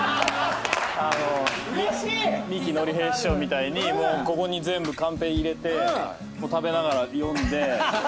三木のり平師匠みたいにここに全部カンペ入れて食べながら読んで。